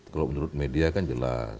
kalau menurut media kan jelas